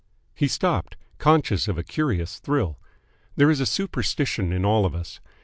He stopped, conscious of a curious thrill. There is a superstition in all of us.